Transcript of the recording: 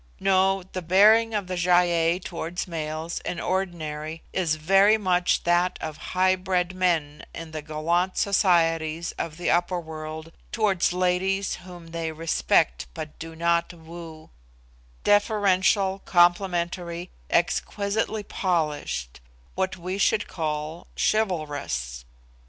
No; the bearing of the Gy ei towards males in ordinary is very much that of high bred men in the gallant societies of the upper world towards ladies whom they respect but do not woo; deferential, complimentary, exquisitely polished what we should call 'chivalrous.